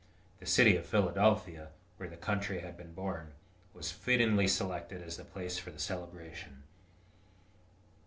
The city of Philadelphia, where the country had been born, was fittingly selected as the place for the celebration.